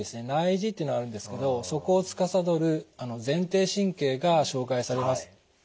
内耳というのがあるんですけどそこをつかさどる前庭神経が障害されます。